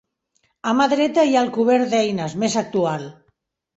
A mà dreta hi ha el cobert d'eines, més actual.